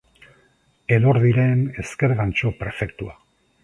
Elordiren ezker gantxo perfektua.